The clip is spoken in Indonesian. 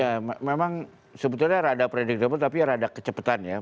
ya memang sebetulnya rada predictable tapi rada kecepatan ya